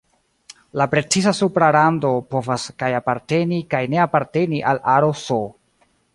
La preciza supra rando povas kaj aparteni kaj ne aparteni al la aro "S".